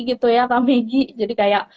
gitu ya pak megi jadi kayak